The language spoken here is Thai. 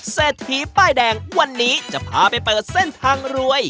เศรษฐีป้ายแดงวันนี้จะพาไปเปิดเส้นทางรวย